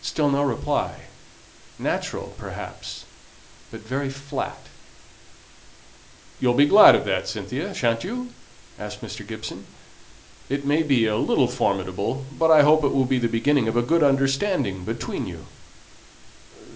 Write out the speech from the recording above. Still no reply; natural, perhaps, but very flat. "You'll be glad of that, Cynthia, shan't you?" asked Mr. Gibson. "It may be a little formidable, but I hope it will be the beginning of a good understanding between you."